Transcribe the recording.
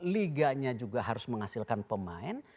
liganya juga harus menghasilkan pemain